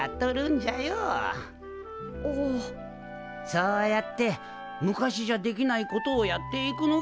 そうやって昔じゃできないことをやっていくのが宇宙開発。